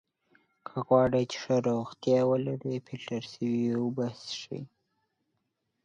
که غواړی چې ښه روغتیا ولری ! فلټر سوي اوبه څښئ!